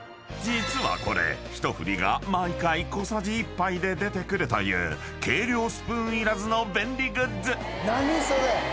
［実はこれ一振りが毎回小さじ１杯で出てくるという計量スプーンいらずの便利グッズ］